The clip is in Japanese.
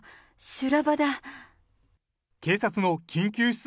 修羅場だ。